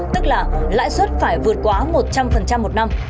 tức là lãi suất phải vượt quá một trăm linh một năm